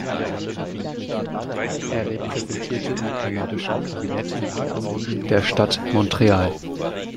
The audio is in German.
Er repräsentierte im kanadischen Kabinett die Anliegen der Stadt Montreal.